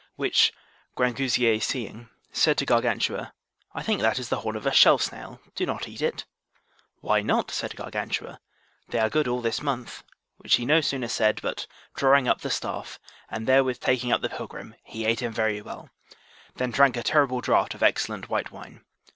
Which Grangousier seeing, said to Gargantua, I think that is the horn of a shell snail, do not eat it. Why not? said Gargantua, they are good all this month: which he no sooner said, but, drawing up the staff, and therewith taking up the pilgrim, he ate him very well, then drank a terrible draught of excellent white wine.